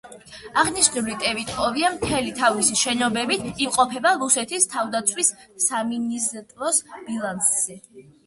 აღნიშნული ტერიტორია მთელი თავისი შენობებით იმყოფება რუსეთის თავდაცვის სამინისტროს ბალანსზე.